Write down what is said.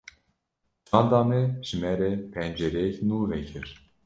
Çanda me, ji me re pencereyek nû vekir